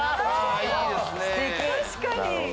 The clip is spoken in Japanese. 確かに！